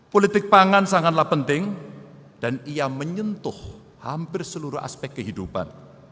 politik pangan sangatlah penting dan ia menyentuh hampir seluruh aspek kehidupan